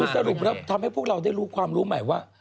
สรุปแล้วทำให้พวกเราได้รู้ความรู้ใหม่ว่า